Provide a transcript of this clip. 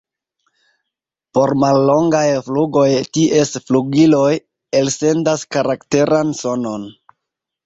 Por mallongaj flugoj ties flugiloj elsendas karakteran sonon.